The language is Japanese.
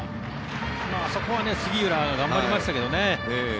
そこは杉浦、頑張りましたけどね。